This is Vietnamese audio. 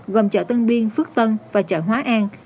gồm chợ tân biên phước tân và chợ hóa an